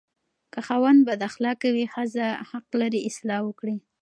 که خاوند بداخلاقه وي، ښځه حق لري اصلاح وکړي.